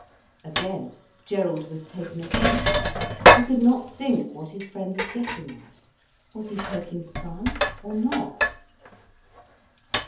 Again Gerald was taken aback. He could not think what his friend was getting at. Was he poking fun, or not?